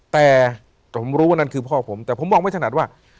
แต่ผมรู้ว่านั่นคือพ่อผมแต่ผมมองไม่ถนัดว่า